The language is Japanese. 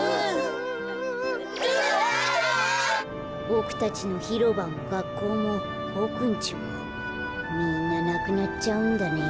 ボクたちのひろばもがっこうもボクんちもみんななくなっちゃうんだね。